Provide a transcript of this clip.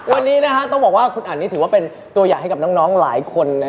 วันนี้ต้องบอกว่าคุณอันนี่ถือว่าเป็นตัวอย่างให้กับน้องหลายคน